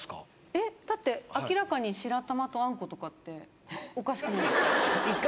えっだって明らかに白玉とあんことかっておかしくないですか？